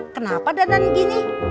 kenapa dadang gini